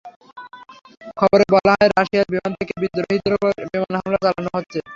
খবরে বলা হয়, রাশিয়ার বিমান থেকে বিদ্রোহীদের ওপর বিমান হামলা চালানো হচ্ছে।